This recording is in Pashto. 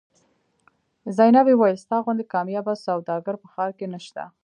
زینبې وویل ستا غوندې کاميابه سوداګر په ښار کې نشته.